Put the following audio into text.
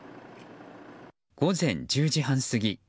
午前１０時半過ぎ